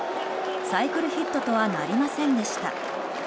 サイクルヒットとはなりませんでした。